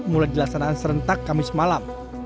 mulai dilaksanakan serentak kamis malam